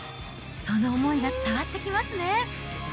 その思いが伝わってきますね。